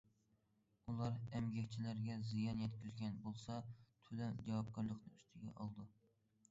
ئۇلار ئەمگەكچىلەرگە زىيان يەتكۈزگەن بولسا، تۆلەم جاۋابكارلىقىنى ئۈستىگە ئالىدۇ.